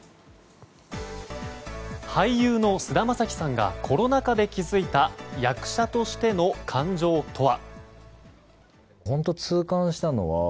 俳優の菅田将暉さんがコロナ禍で気づいた役者としての感情とは。